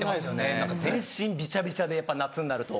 何か全身びちゃびちゃでやっぱ夏になると。